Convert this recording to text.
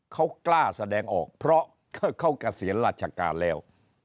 เขากล้าแสดงออกเพราะเขาเกษียณราชการแล้ว